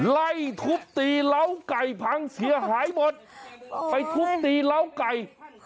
ไล่ทุบตีเหล้าไก่พังเสียหายหมดไปทุบตีเหล้าไก่